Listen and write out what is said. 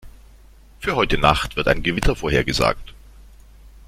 Für heute Nacht wird ein Gewitter vorhergesagt.